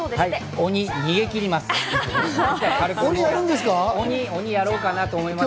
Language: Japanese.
鬼、逃げ切ります！